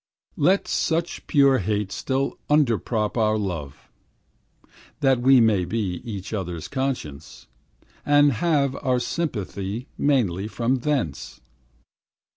Let such pure hate still underprop Our love, that we may be Each other's conscience, And have our sympathy Mainly from thence.